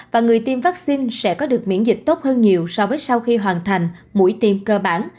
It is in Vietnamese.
và người tiêm vaccine sẽ có được miễn dịch tốt hơn nhiều so với sau khi hoàn thành mũi tiêm cơ bản